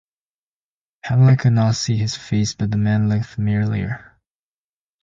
Pamela could not see his face, but the man looked familiar.